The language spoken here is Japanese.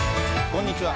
こんにちは。